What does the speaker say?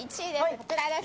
こちらです。